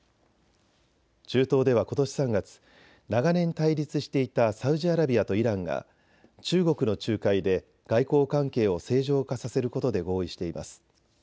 中東ではことし３月、長年対立していたサウジアラビアとイランが中国の仲介で外交関係を正常化させることで合意しています。